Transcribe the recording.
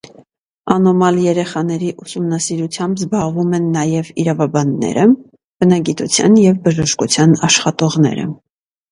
Անոմալ երեխաների ուսումնասիրությամբ զբաղվում են նաև իրավաբանները, բնագիտության և բժշկության աշխատողները։